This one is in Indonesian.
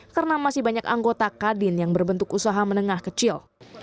karena masih banyak anggota kadin yang berbentuk usaha menengah kecil